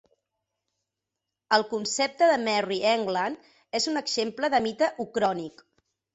El concepte de Merry England és un exemple de mite ucrònic.